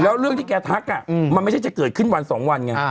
แล้วเรื่องที่แกทักมันไม่ใช่จะเกิดขึ้นวัน๒วันไง